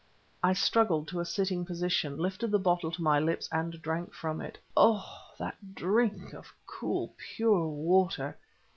I struggled to a sitting position, lifted the bottle to my lips, and drank from it. Oh! that drink of cool, pure water!